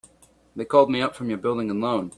They called me up from your Building and Loan.